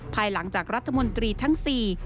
ภายหลังจากรัฐมนตรีทั้งสี่